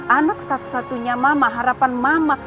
anak satu satunya mama harapan mama